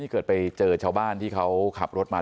เกิดไปเจอชาวบ้านที่เขาขับรถมา